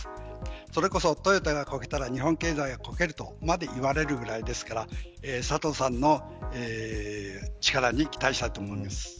それこそトヨタがこけたら日本経済がこけると言われるくらいですから佐藤さんの力に期待したいと思います。